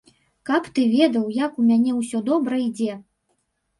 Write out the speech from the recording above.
Каб ты ведаў, як у мяне ўсё добра ідзе!